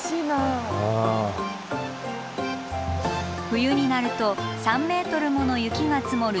冬になると３ｍもの雪が積もる